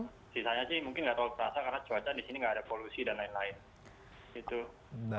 sisanya sih mungkin nggak terlalu terasa karena cuaca di sini nggak ada polusi dan lain lain